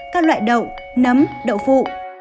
các loại đậm nấm đậu phụ